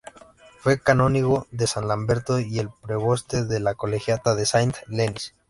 Fue canónigo de san Lamberto y el preboste de la colegiata de Saint-Denis.